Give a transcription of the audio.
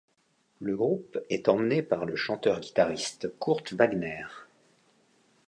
Le groupe est emmené par le chanteur-guitariste Kurt Wagner.